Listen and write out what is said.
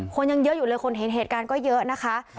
คนยังเยอะอยู่เลยคนเห็นเหตุการณ์ก็เยอะนะคะ